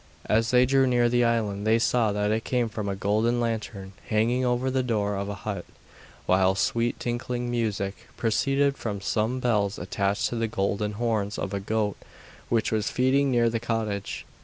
As they drew near the island they saw that it came from a golden lantern hanging over the door of a hut, while sweet tinkling music proceeded from some bells attached to the golden horns of a goat which was feeding near the cottage.